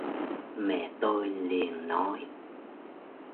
mẹ tôi liền nói